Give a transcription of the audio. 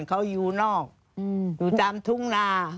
เขาอยู่นอกอยู่ตามทุ่งนา